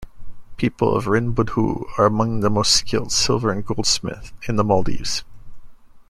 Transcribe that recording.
People of Rinbudhoo are among the most skilled silver and goldsmiths in the Maldives.